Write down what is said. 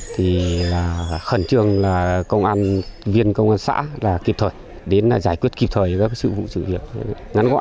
thì khẩn trường là công an viên công an xã là kịp thời đến là giải quyết kịp thời các sư vụ sư việc ngắn gõ